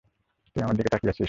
তুই আমার দিকে তাকিয়ে আছিস?